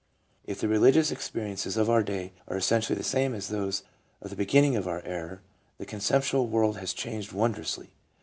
If the religious experi ences of our day are essentially the same as those of the be ginning of our era, the conceptual world has changed won drously.